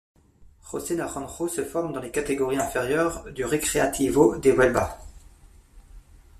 José Naranjo se forme dans les catégories inférieures du Recreativo de Huelva.